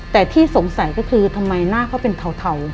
แต่ที่สงสัยก็คือทำไมหน้าเขาเป็นเทา